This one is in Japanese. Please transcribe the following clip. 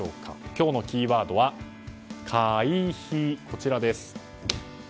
今日のキーワードはカイヒです。